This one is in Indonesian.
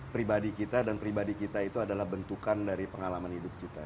pribadi kita dan pribadi kita itu adalah bentukan dari pengalaman hidup kita